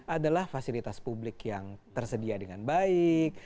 adalah fasilitas publik yang tersedia dengan baik